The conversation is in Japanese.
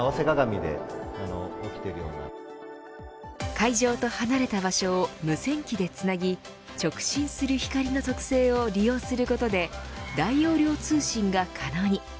会場と離れた場所を無線機でつなぎ直進する光の特性を利用することで大容量通信が可能に。